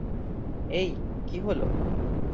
এই, - কি হলো?